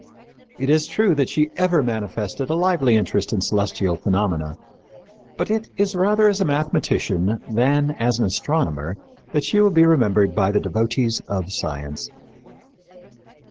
It is true that she ever manifested a lively interest in celestial phenomena; but it is rather as a mathematician than as an astronomer that she will be remembered by the devotees of science.